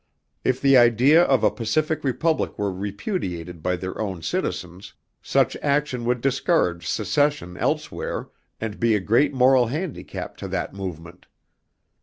If the idea of a Pacific Republic were repudiated by their own citizens, such action would discourage secession elsewhere and be a great moral handicap to that movement.